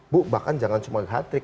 bu bahkan jangan cuma hatrik